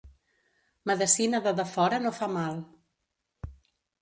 Medecina de defora no fa mal.